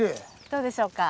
どうでしょうか？